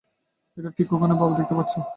এটা ঠিক ওখানে, বাবা - দেখতে পাচ্ছো?